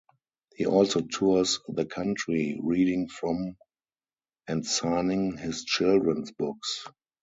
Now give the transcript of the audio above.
He also tours the country, reading from and signing his children's books.